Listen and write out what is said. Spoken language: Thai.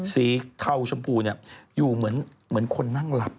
สีเทาชมพูอยู่เหมือนคนนั่งหลับ